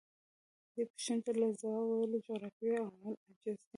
دې پوښتنې ته له ځواب ویلو جغرافیوي عوامل عاجز دي.